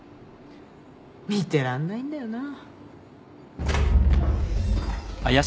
見てらんないんだよな。